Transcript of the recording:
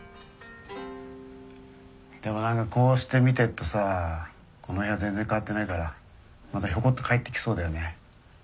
でも何かこうして見てっとさこの部屋全然変わってないからまたひょこっと帰って来そうだよね。